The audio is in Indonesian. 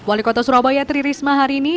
wali kota surabaya tri risma hari ini